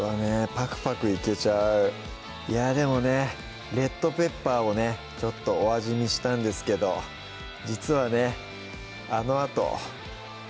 パクパクいけちゃういやぁでもねレッドペッパーをねちょっとお味見したんですけど実はね